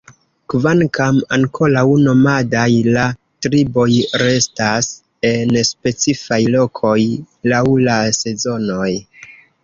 Kvankam ankoraŭ nomadaj, la triboj restas en specifaj lokoj laŭ la sezonoj.